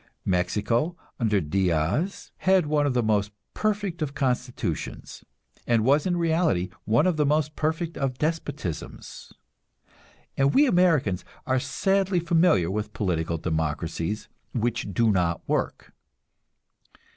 Mexico under Diaz had one of the most perfect of constitutions, and was in reality one of the most perfect of despotisms; and we Americans are sadly familiar with political democracies which do not work.